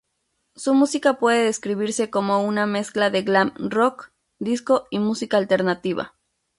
Su música puede describirse como una mezcla de Glam rock, Disco y música alternativa.